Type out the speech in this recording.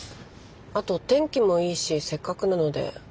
あと天気もいいしせっかくなので。